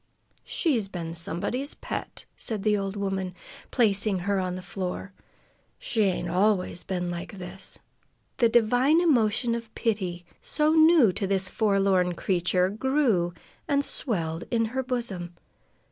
"She's been somebody's pet," said the old woman, placing her on the floor. "She ain't always been like this." The divine emotion of pity, so new to this forlorn creature, grew and swelled in her bosom.